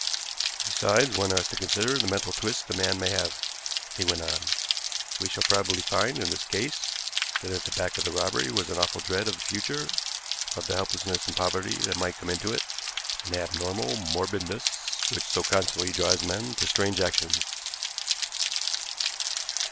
"Besides, one has to consider the mental twist a man may have," he went on. "We shall probably find in this case that at the back of the robbery was an awful dread of the future, of the helplessness and poverty that might come into it, an abnormal morbidness which so constantly drives men to strange actions."